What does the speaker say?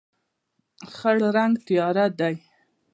خړ رنګ تیاره دی.